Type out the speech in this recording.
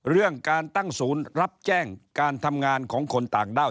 เรื่องการตั้งศูนย์รับแจ้งการทำงานของคนต่างด้าว